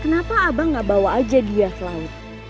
kenapa abang nggak bawa aja dia ke laut